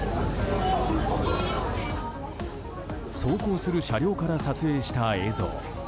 走行する車両から撮影した映像。